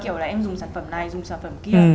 kiểu là em dùng sản phẩm này dùng sản phẩm kia